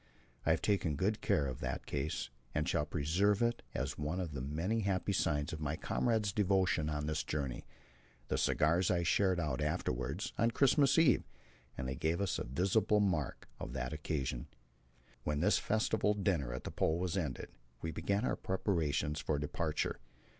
I have taken good care of the case, and shall preserve it as one of the many happy signs of my comrades' devotion on this journey. The cigars I shared out afterwards, on Christmas Eve, and they gave us a visible mark of that occasion. When this festival dinner at the Pole was ended, we began our preparations for departure.